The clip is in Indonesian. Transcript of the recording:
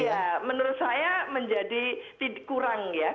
ya menurut saya menjadi kurang ya